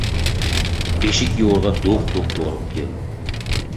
Beshik yo‘rg‘a do‘q-do‘q borib keldi.